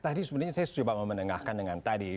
tadi sebenarnya saya coba mau menengahkan dengan tadi